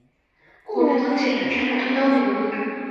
হবিগঞ্জ জেলার খেলাধুলা ও বিনোদন